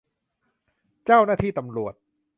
เจ้าหน้าที่ตำรวจ